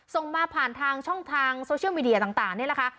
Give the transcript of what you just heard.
ส่งมาผ่านทางช่องทางโซเชียลมีเดียต่างนี่นะคะ